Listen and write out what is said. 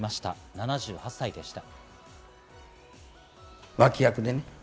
７８歳でした。